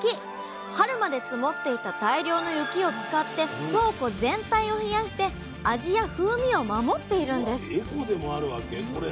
春まで積もっていた大量の雪を使って倉庫全体を冷やして味や風味を守っているんですわっ